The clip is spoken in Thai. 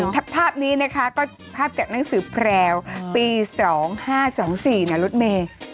ภาพนี้นะคะก็ภาพจากหนังสือแพรวปี๒๕๒๔นะรถเมย์